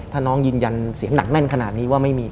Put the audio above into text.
ถ้าน้องยืนยันเสียงหนักแน่นขนาดนี้ว่าไม่มี